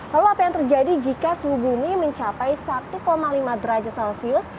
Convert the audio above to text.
lalu apa yang terjadi jika suhu bumi mencapai satu lima derajat celcius